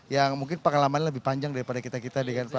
yang mungkin pengalaman lebih panjang daripada kita kita